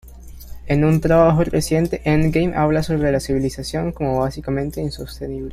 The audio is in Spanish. En un trabajo reciente "Endgame" habla sobre la civilización como básicamente insostenible.